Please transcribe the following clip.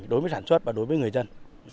đối với sản xuất và đối với người dân